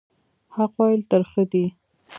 حق ویل ترخه دي